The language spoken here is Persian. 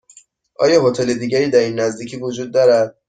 آیا هتل دیگری در این نزدیکی وجود دارد؟